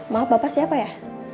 maaf bapak siapa ya